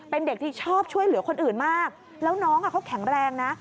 เป็นเด็กที่ชอบช่วยเหลือคนอื่นมากแล้วน้องเขาแข็งแรงนะ